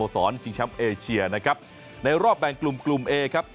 สอนชิงแชมป์เอเชียนะครับในรอบแบ่งกลุ่มกลุ่มเอครับ